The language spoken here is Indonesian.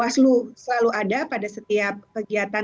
waslu selalu ada pada setiap kegiatan